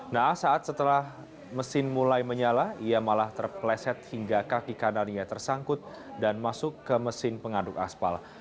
nah saat setelah mesin mulai menyala ia malah terpleset hingga kaki kanannya tersangkut dan masuk ke mesin pengaduk aspal